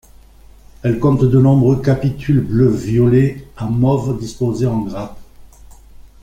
Elle compte de nombreux capitules bleu-violet à mauve disposés en grappes.